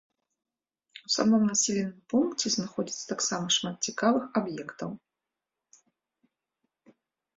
У самым населеным пункце знаходзіцца таксама шмат цікавых аб'ектаў.